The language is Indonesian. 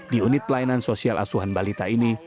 di unit pelayanan sosial asuhan balita ini